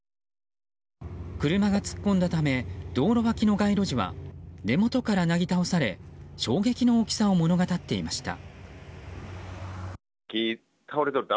車が突っ込んだため道路脇の街路樹は根元からなぎ倒され衝撃の大きさを物語っていました。